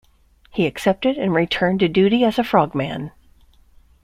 He accepted and returned to duty as a frogman.